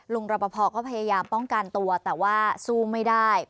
รปภก็พยายามป้องกันตัวแต่ว่าสู้ไม่ได้